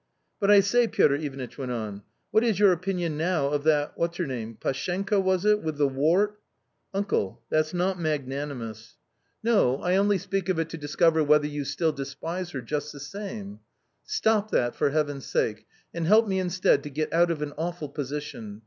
" But I say," Piotr Ivanitch went on, " what is your opinion now of that — what's her name — Pashenka, was it ?— with the wart ?"" Uncle that's not magnanimous." N 194 A COMMON STORY " No; I only speak of it to discover whether you still despise her just the same ?"" Stop that, for Heaven's sake, and help me instead to get out of an awful position.